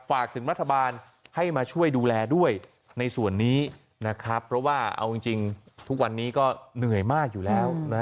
ฝากถึงรัฐบาลให้มาช่วยดูแลด้วยในส่วนนี้นะครับเพราะว่าเอาจริงทุกวันนี้ก็เหนื่อยมากอยู่แล้ว